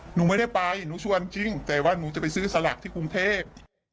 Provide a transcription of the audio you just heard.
หนูไม่ได้ไปหนูชวนจริงแต่ว่าหนูจะไปซื้อสลักที่กรุงเทพ